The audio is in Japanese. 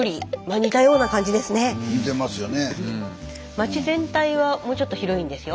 町全体はもうちょっと広いんですよ。